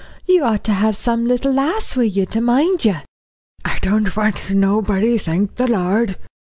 You ought to have some little lass wi' you to mind you." "I don't want nobody, thank the Lord."